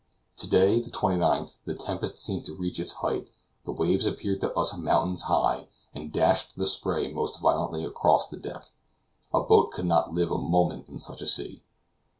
To day, the 29th, the tempest seemed to reach its height; the waves appeared to us mountains high, and dashed the spray most violently across the deck. A boat could not live a moment in such a sea.